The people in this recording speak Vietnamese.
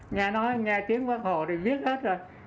nghe nói nghe tiếng bắt hồ thì biết hết rồi